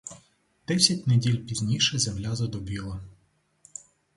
Десять неділь пізніше земля задубіла.